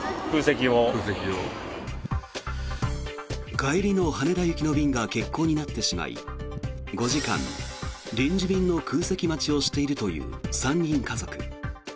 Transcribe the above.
帰りの羽田行きの便が欠航になってしまい５時間、臨時便の空席待ちをしているという３人家族。